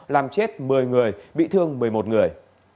làm chết một mươi người bị thương một mươi một người